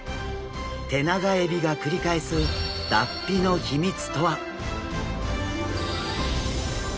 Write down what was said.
テナガエビが繰り返す脱皮の秘密とは？